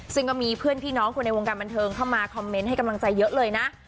ซึ่งก็มีเพื่อนพี่น้องคนในวงการบันเทิงเข้ามาคอมเมนต์ให้กำลังใจเยอะเลยนะ